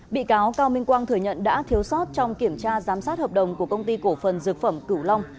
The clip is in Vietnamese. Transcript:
bị cáo cao minh quang thừa nhận đã thiếu sót trong kiểm tra giám sát hợp đồng của công ty cổ phần dược phẩm cửu long